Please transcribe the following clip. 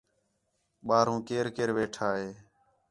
ٻاہروں کئیر کڑیر ویٹھا ہے